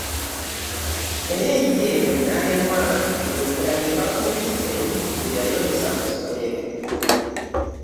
Naye ye n’alemwa ng’entabwe eva ku mpisa embi ze yayolesa mu ssomero.